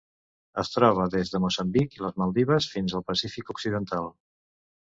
Es troba des de Moçambic i les Maldives fins al Pacífic occidental.